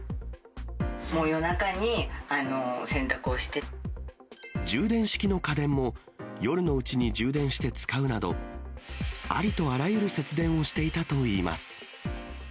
もう夜中に洗濯をして。充電式の家電も、夜のうちに充電して使うなど、ありとあらゆる節電をしていたといいます。